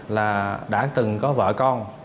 là đã từng có vợ con